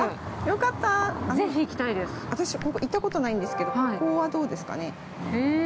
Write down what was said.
◆よかった、私、行ったことないんですけど、ここはどうですかね。